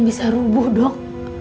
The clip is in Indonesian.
mereka bisa rubuh dok